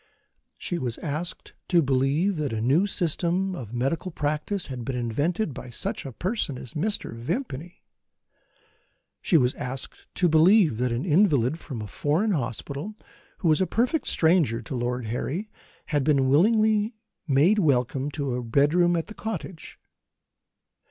She was asked to believe that a new system of medical practice had been invented by such a person as Mr. Vimpany. She was asked to believe that an invalid from a foreign hospital, who was a perfect stranger to Lord Harry, had been willingly made welcome to a bedroom at the cottage.